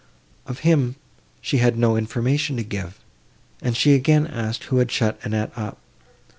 Of him she had no information to give, and she again asked who had shut Annette up.